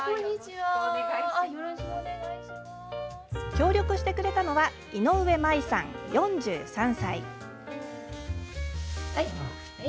協力してくれたのは井上まいさん、４３歳。